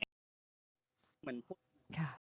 เหมือนพวกนี้